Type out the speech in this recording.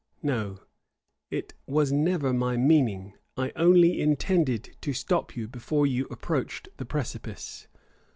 No: it was never my meaning; I only intended to stop you before you approached the precipice.